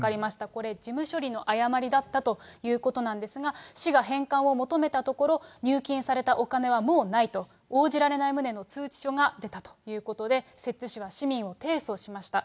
これ、事務処理の誤りだったということなんですが、市が返還を求めたところ、入金されたお金はもうないと、応じられない旨の通知書が出たということで、摂津市は市民を提訴しました。